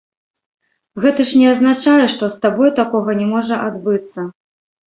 Гэта ж не азначае, што з табой такога не можа адбыцца.